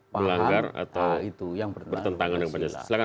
paham atau yang bertentangan dengan pancasila